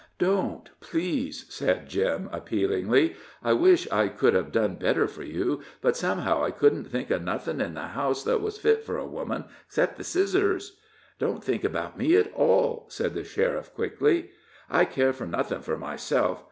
"Don't, please," said Jim, appealingly. "I wish I could have done better for you, but somehow I couldn't think of nothin' in the house that was fit for a woman, except the scissors." "Don't think about me at all," said the sheriff, quickly. "I care for nothing for myself.